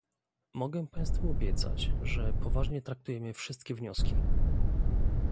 Mogę Państwu obiecać, że poważnie traktujemy wszystkie wnioski